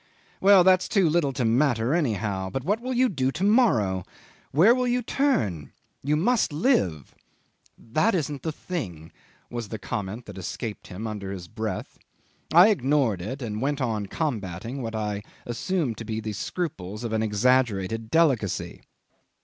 "Well, that's too little to matter anyhow; but what will you do to morrow? Where will you turn? You must live ..." "That isn't the thing," was the comment that escaped him under his breath. I ignored it, and went on combating what I assumed to be the scruples of an exaggerated delicacy.